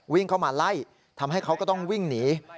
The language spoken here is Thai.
วิ่งเข้ามาไล่ทำให้เขาก็ต้องวิ่งหนี